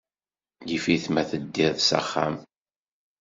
Yif-it ma teddiḍ s axxam.